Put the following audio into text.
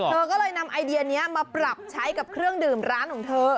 เธอก็เลยนำไอเดียนี้มาปรับใช้กับเครื่องดื่มร้านของเธอ